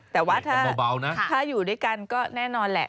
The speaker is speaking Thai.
แต่ว่าถ้าอยู่ด้วยกันก็แน่นอนแหละ